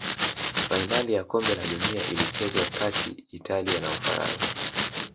fainali ya kombe la dunia ilichezwa kati italia na ufaransa